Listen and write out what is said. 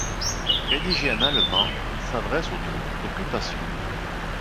Rédigé en allemand, il s’adresse aux troupes d’occupation.